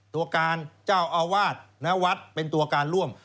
ตัวการเจ้าอาวาสณวัดเป็นตัวการร่วม